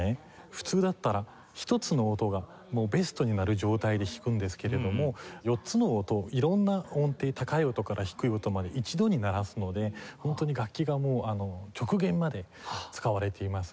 普通だったら１つの音がベストに鳴る状態で弾くんですけれども４つの音を色んな音程高い音から低い音まで一度に鳴らすのでホントに楽器がもう極限まで使われていますね。